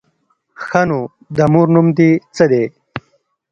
_ښه نو، د مور نوم دې څه دی؟